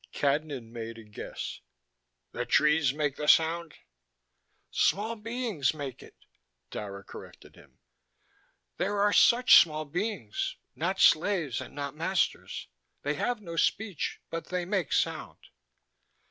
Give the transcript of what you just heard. Cadnan made a guess. "The trees make the sound." "Small beings make it," Dara corrected him. "There are such small beings, not slaves and not masters. They have no speech but they make sound."